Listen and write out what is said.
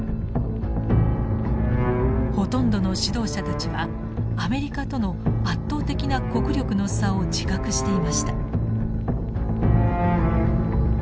ほとんどの指導者たちはアメリカとの圧倒的な国力の差を自覚していました。